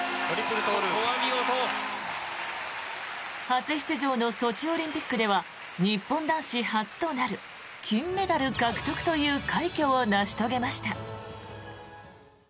初出場のソチオリンピックでは日本男子初となる金メダル獲得という快挙を成し遂げました。